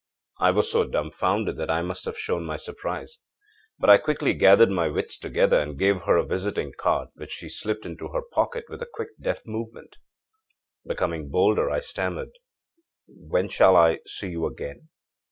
âI was so dumfounded that I must have shown my surprise. But I quickly gathered my wits together and gave her a visiting card, which she slipped into her pocket with a quick, deft movement. âBecoming bolder, I stammered: â'When shall I see you again?'